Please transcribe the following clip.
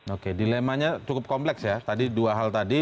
oke dilemanya cukup kompleks ya tadi dua hal tadi